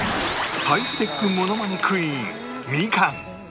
ハイスペックモノマネクイーンみかん